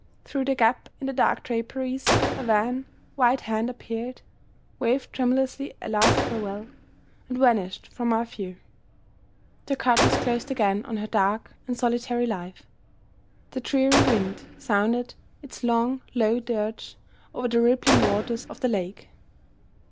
Through the gap in the dark draperies a wan white hand appeared; waved tremulously a last farewell; and vanished from my view. The curtains closed again on her dark and solitary life. The dreary wind sounded its long, low dirge over the rippling waters of the lake.